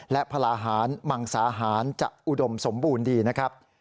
และพลาหารมังสาหารจะอุดมสมบูรณ์ดีนะครับ